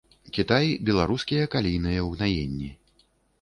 Кітай беларускія калійныя ўгнаенні.